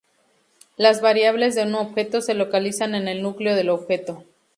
Las variables de un objeto se localizan en el núcleo del objeto.